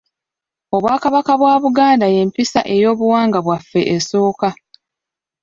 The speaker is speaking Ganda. Obwakabaka bwa Buganda y’empisa ey’obuwangwa bwaffe esooka.